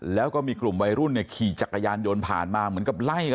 แล้วก็มีกลุ่มวัยรุ่นเนี่ยขี่จักรยานยนต์ผ่านมาเหมือนกับไล่กัน